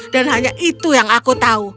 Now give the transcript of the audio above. dan hanya itu yang aku tahu